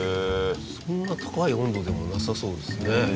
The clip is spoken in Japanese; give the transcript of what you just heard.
そんな高い温度でもなさそうですね。